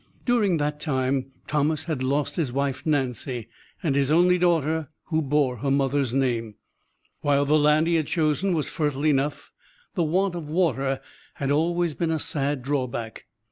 During that time Thomas had lost his wife, Nancy, and his only daughter, who bore her mother's name. While the land he had chosen was fertile enough, the want of water had always been a sad drawback.